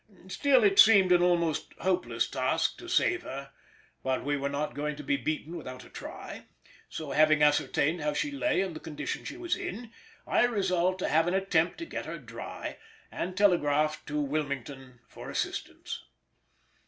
Still it seemed an almost hopeless task to save her; but we were not going to be beaten without a try, so, having ascertained how she lay and the condition she was in, I resolved to have an attempt to get her dry, and telegraphed to Wilmington for assistance.